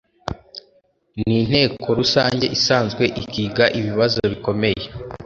n inteko rusange isanzwe ikiga ibibazo bikomeye